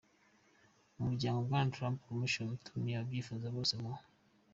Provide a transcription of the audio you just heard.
Umuryango Rwanda Truth Commission utumiye ababyifuza bose mu